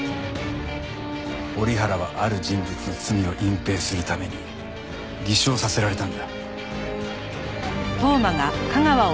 折原はある人物の罪を隠蔽するために偽証させられたんだ。